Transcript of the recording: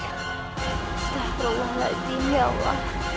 sudah berulang lagi ya allah